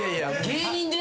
芸人で？